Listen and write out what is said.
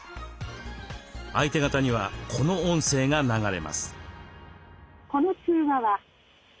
相手方にはこの音声が流れます。